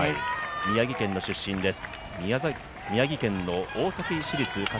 宮城県の出身です。